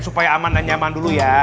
supaya aman dan nyaman dulu ya